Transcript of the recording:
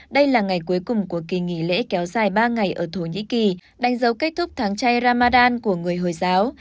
đây là ngày cuối cùng của kỳ nghỉ lễ kéo dài ba ngày ở thổ nhĩ kỳ đánh dấu kết thúc tháng chay ramadan của người hồi giáo